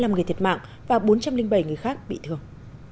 hai trăm sáu mươi năm người thiệt mạng và bốn trăm linh bảy người khác bị thương